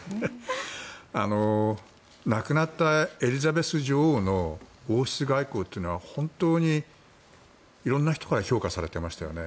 亡くなったエリザベス女王の王室外交というのは本当に、色んな人から評価されてましたよね。